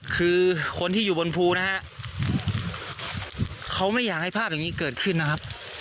คือคนที่อยู่บนภูนะฮะเขาไม่อยากให้ภาพอย่างนี้เกิดขึ้นนะครับ